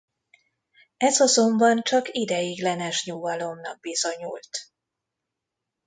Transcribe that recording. Ez azonban csak ideiglenes nyugalomnak bizonyult.